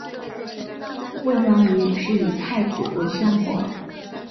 魏王于是以太子为相国。